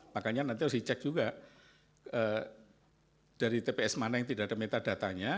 makanya nanti harus dicek juga dari tps mana yang tidak ada metadatanya